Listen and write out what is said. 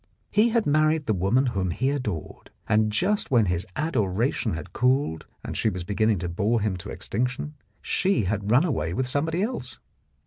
He had married the woman whom he adored, and just when his adoration had cooled and she was be ginning to bore him to extinction, she had run away with somebody else.